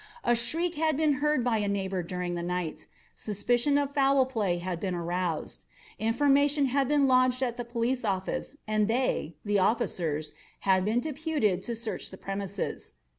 A shriek had been heard by a neighbour during the night; suspicion of foul play had been aroused; information had been lodged at the police office, and they (the officers) had been deputed to search the premises.